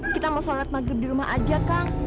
kita mau sholat maghrib di rumah aja kang